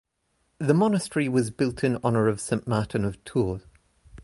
The monastery was built in honour of Saint Martin of Tours.